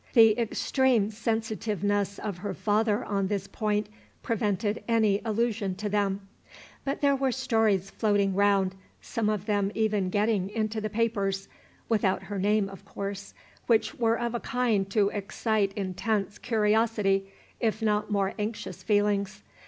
The extreme sensitiveness of her father on this point prevented any allusion to them; but there were stories floating round, some of them even getting into the papers, without her name, of course, which were of a kind to excite intense curiosity, if not more anxious feelings.